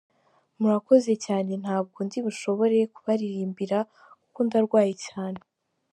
Murakoze cyane ntabwo ndi bushobore kubaririmbira kuko ndarwaye cyane".